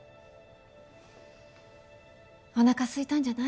おなかすいたんじゃない？